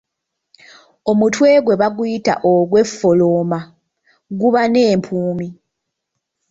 Omutwe gwe bayita ogweffolooma guba n’empumi.